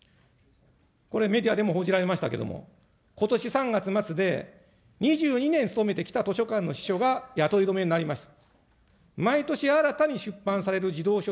これ、メディアでも報じられましたけれども、ことし３月末で２２年勤めてきた図書館の司書が雇い止めになりました。